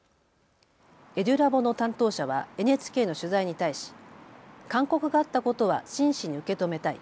ＥｄｕＬａｂの担当者はＮＨＫの取材に対し勧告があったことは真摯に受け止めたい。